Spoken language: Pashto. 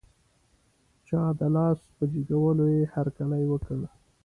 چا د لاس په جګولو یې هر کلی وکړ.